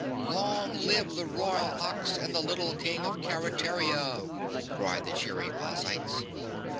"Long live the Royal Ox and the Little King of Keretaria!" cried the cheering Ozites.